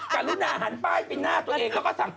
กะลื้อหนาหันใบปิดหน้าตัวเอง